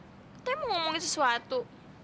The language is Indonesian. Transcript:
katanya mau ngomongin sesuatu